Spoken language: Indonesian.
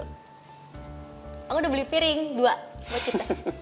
aku udah beli piring dua buat kita